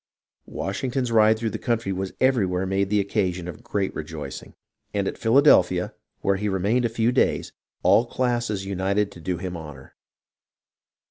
Washington's ride through the country was everywhere made the occasion of great rejoicing ; and at Philadelphia, where he remained a few days, all classes united to do him honour.